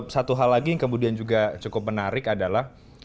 satu hal lagi yang kemudian juga cukup menarik adalah